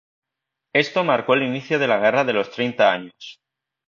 Esto marcó el inicio de la Guerra de los Treinta Años.